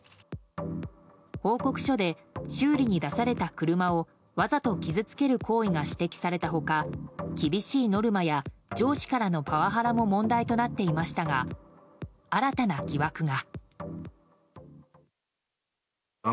報告書で、修理に出された車をわざと傷つける行為が指摘された他厳しいノルマや上司からのパワハラも問題となっていましたが新たな疑惑が。